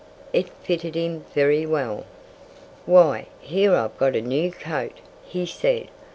It fitted him very well. "Why, here I've a new coat!" he said.